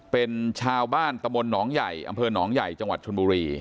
เป็นชาวบ้านตมนนใหญ่อำเภอนใหญ่จังหวัดชุนบุรี